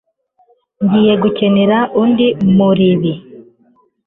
Ngiye gukenera undi muribi.